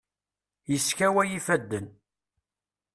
Yeskaway ifaden.